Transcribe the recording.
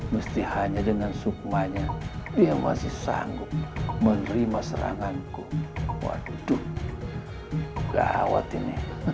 mesti hanya dengan sukmanya yang masih sanggup menerima seranganku waktu tuh